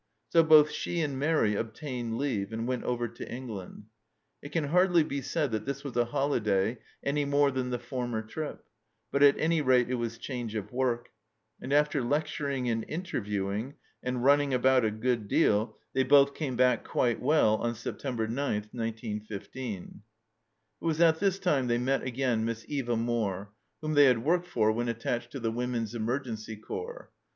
So both she and Mairi obtained leave, and went over to England. It can hardly be said that this was a holiday any more than the former trip, but at any rate it was change of work ; and after lecturing and interviewing, and running about a good deal, they both came back quite well on September 9, 1915. It was at this time they met again Miss Eva Moore, whom they had worked for when attached THE STEENKERKE HUT 245 to the Women's Emergency Corps.